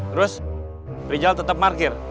terus rijal tetap markir